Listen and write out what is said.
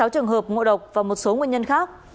năm mươi sáu trường hợp ngộ độc và một số nguyên nhân khác